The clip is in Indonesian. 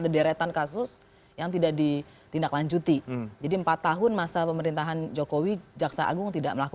terima kasih otak